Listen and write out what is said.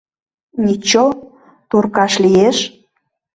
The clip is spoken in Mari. Ничо, туркаш лиеш.